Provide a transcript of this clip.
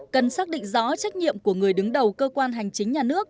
cần xác định rõ trách nhiệm của người đứng đầu cơ quan hành chính nhà nước